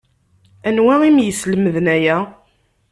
Anwa i m-yeslemden aya?